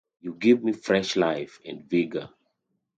You give me fresh life and vigour.